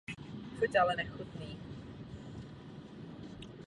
Závěr je hladký.